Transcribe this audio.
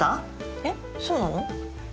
えっそうなの？